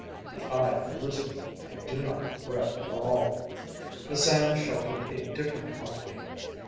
The eyed lizard I do not regret at all. The sand sheltered a different colony.